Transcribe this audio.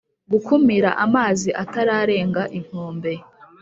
gukumira amazi atararenga inkombe